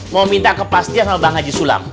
mau minta kepastian sama bang haji sulang